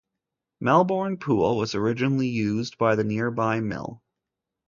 Melbourne Pool was originally used by the nearby mill.